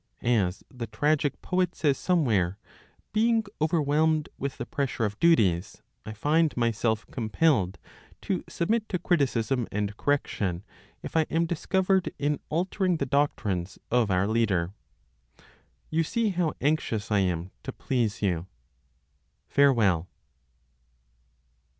As the tragic poet says somewhere, being overwhelmed with the pressure of duties, I find myself compelled to submit to criticism and correction if I am discovered in altering the doctrines of our leader. You see how anxious I am to please you. Farewell!"